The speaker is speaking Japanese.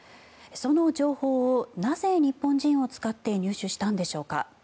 その情報をなぜ、日本人を使って入手したんでしょうか。